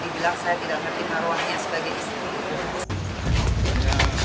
dibilang saya tidak ngerti naruhannya sebagai istri